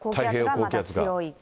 高気圧がまだ強い。